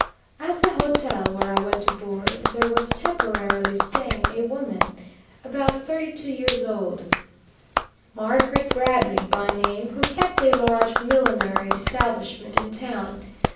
At the hotel where I went to board, there was temporarily staying a woman, about thirty two years old, Margaret Bradly, by name, who kept a large millinery establishment in town.